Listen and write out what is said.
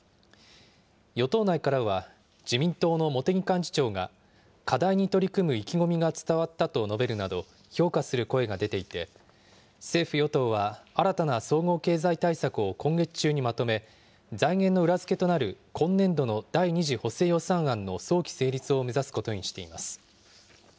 与党内からは、自民党の茂木幹事長が、課題に取り組む意気込みが伝わったと述べるなど、評価する声が出ていて、政府・与党は新たな総合経済対策を今月中にまとめ、財源の裏付けとなる今年度の第２次補正予算案の早期成立を目指すことにしています。